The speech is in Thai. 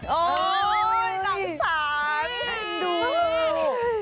น้ำสานดู